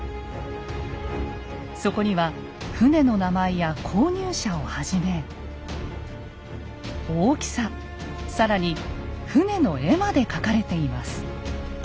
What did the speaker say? そこには船の名前や購入者をはじめ大きさ更に船の絵までかかれています。